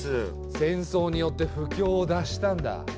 戦争によって不況を脱したんだ。